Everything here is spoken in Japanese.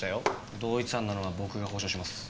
同一犯なのは僕が保証します。